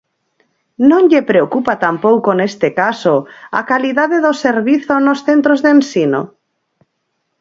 ¿Non lle preocupa tampouco neste caso a calidade do servizo nos centros de ensino?